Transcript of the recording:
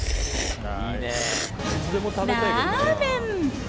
ラーメン！